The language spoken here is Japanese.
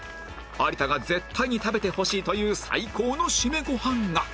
有田が絶対に食べてほしいという最高のシメご飯が